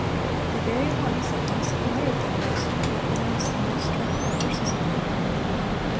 The very ones that once admired them most, will pronounce the most dreadful curses upon them.